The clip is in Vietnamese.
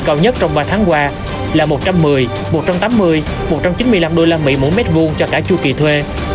cao nhất trong ba tháng qua là một trăm một mươi một trăm tám mươi một trăm chín mươi năm usd mỗi mét vuông cho cả chu kỳ thuê